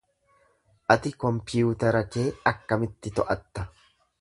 Ati kompiyuutara kee akkamitti to'atta?